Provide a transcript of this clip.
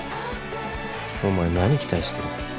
お前何期待してる？